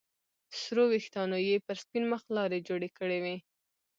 سرو ويښتانو يې پر سپين مخ لارې جوړې کړې وې.